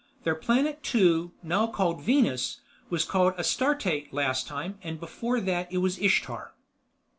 Their Planet Two, now called Venus, was called Astarte last time, and before that it was Ishtar."